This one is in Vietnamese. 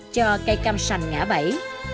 cho cây cam sành ngã bẫy